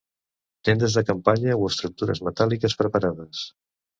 Tendes de campanya o estructures metàl·liques preparades.